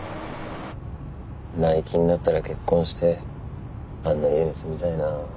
内勤になったら結婚してあんな家に住みたいな。